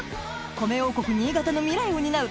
米王国新潟の未来を担う